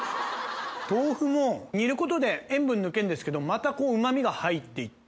豆腐も煮ることで塩分抜けんですけどまたうま味が入って行って。